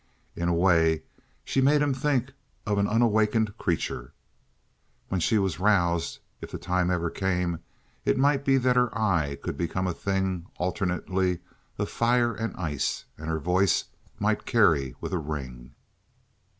In a way, she made him think of an unawakened creature. When she was roused, if the time ever came, it might be that her eye could become a thing alternately of fire and ice, and her voice might carry with a ring.